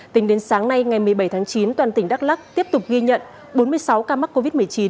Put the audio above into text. tính đến sáng nay ngày một mươi bảy tháng chín toàn tỉnh đắk lắc tiếp tục ghi nhận bốn mươi sáu ca mắc covid một mươi chín